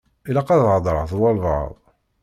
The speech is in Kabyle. Ilaq ad heḍṛeɣ d walebɛaḍ.